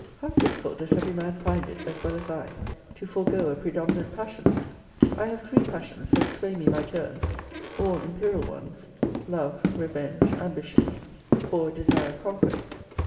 How difficult does every man find it, as well as I, to forego a predominant passion! I have three passions that sway me by turns; all imperial ones love, revenge, ambition or a desire of conquest.